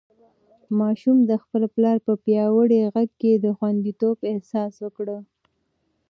ماشوم د خپل پلار په پیاوړې غېږ کې د خونديتوب احساس وکړ.